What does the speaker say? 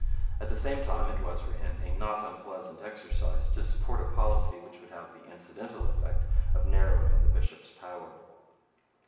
At the same time, it was for him a not unpleasant exercise to support a policy which would have the incidental effect of narrowing the bishop's power.